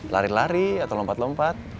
lari lari atau lompat lompat